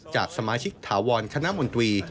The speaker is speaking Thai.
จากสมาชิกถาวรคณะมนตรี